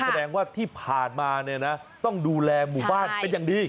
แสดงว่าที่ผ่านมาเนี่ยนะต้องดูแลหมู่บ้านเป็นอย่างดี